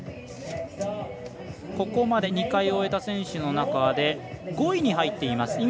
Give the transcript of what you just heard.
ここまで２回終えた選手の中で５位に入っています。